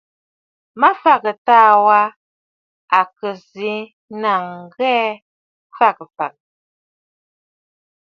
Mafàgə̀ taà wa à kɨ̀ sɨ́ nàŋə̀ ŋghɛɛ fagə̀ fàgə̀.